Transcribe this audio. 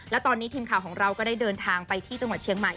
และตอนนี้ทีมข่าวของเราก็ได้เดินทางไปที่จังหวัดเชียงใหม่